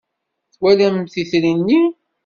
Twalamt itri-nni?